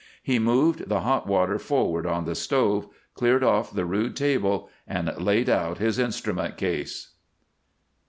He moved the hot water forward on the stove, cleared off the rude table, and laid out his instrument case.